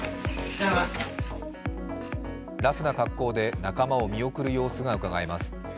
ラフな格好で仲間を見送る様子がうかがえます。